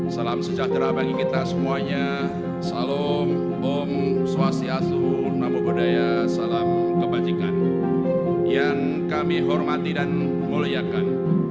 salam sejahtera bagi kita semuanya salam om swastiastu namogodaya salam kebajikan yang kami hormati dan muliakan